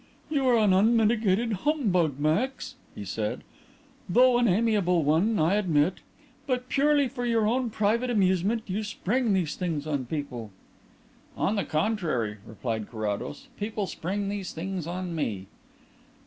"You are an unmitigated humbug, Max," he said, "though an amiable one, I admit. But purely for your own private amusement you spring these things on people." "On the contrary," replied Carrados, "people spring these things on me."